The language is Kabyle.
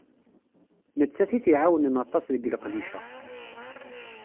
Nettat i t-iεewnen aṭas deg leqdic-a.